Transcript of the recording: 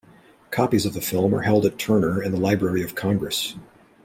Copies of the film are held at Turner and the Library of Congress.